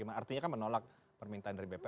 artinya kan menolak permintaan dari bpn